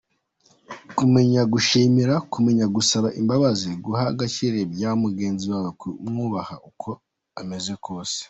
Kumenya gushimira, kumenya gusaba imbabazi, guha agaciro ibya mugenzi wawe, kumwubaha uko ameze kose….